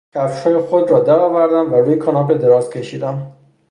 کفشهای خود را در آوردم و روی کاناپه دراز کشیدم.